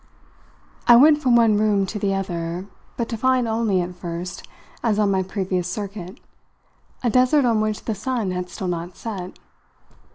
XII I went from one room to the other, but to find only, at first, as on my previous circuit, a desert on which the sun had still not set.